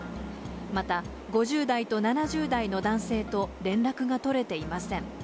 また５０代と７０代の男性と連絡が取れていません。